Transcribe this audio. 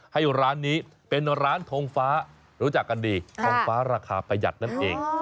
ให้ร้านนี้เป็นร้านทงฟ้ารู้จักกันดีทงฟ้าราคาประหยัดนั่นเอง